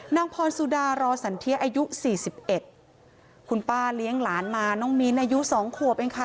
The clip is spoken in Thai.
นางพรสุดารอสันเทียอายุสี่สิบเอ็ดคุณป้าเลี้ยงหลานมาน้องมิ้นอายุสองขวบเองค่ะ